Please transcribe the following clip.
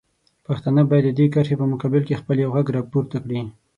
پښتانه باید د دې کرښې په مقابل کې خپل یو غږ راپورته کړي.